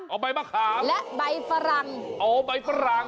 อ๋อใบมะคามอ๋อใบมะคามและใบฝรั่งอ๋อใบฝรั่ง